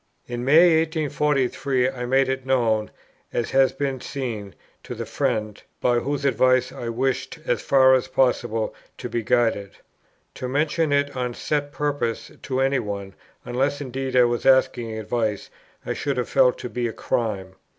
In May, 1843, I made it known, as has been seen, to the friend, by whose advice I wished, as far as possible, to be guided. To mention it on set purpose to any one, unless indeed I was asking advice, I should have felt to be a crime.